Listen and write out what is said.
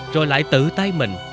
rồi lại tự tay mình